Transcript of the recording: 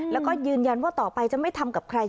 แล้วก็ยืนยันว่าต่อไปจะไม่ทำกับใคร